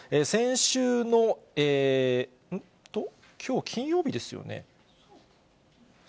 先週の、きょうは金曜日ですよね。